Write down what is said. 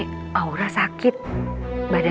kalau kalau terkena dia